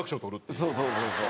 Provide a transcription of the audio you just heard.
そうそうそうそう。